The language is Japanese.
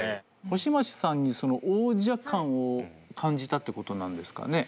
星街さんに王者感を感じたってことなんですかね？